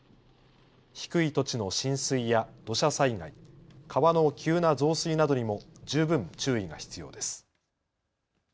低い土地の浸水や土砂災害、川の急な増水などにも十分注意が必要です。